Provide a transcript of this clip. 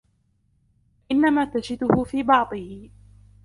وَإِنَّمَا تَجِدُهُ فِي بَعْضِهِ